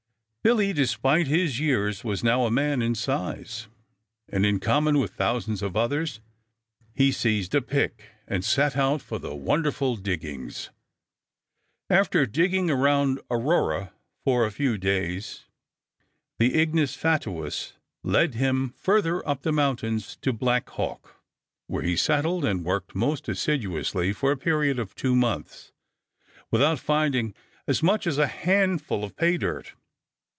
Billy, despite his years, was now a man in size, and in common with thousands of others he seized a pick and set out for the wonderful diggings. After digging around Aurora for a few days the ignis fatuus led him farther up the mountains to Black Hawk, where he settled, and worked most assiduously for a period of two months without finding as much as a handful of pay dirt.